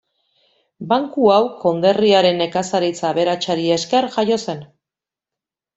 Banku hau konderriaren nekazaritza aberatsari esker jaio zen.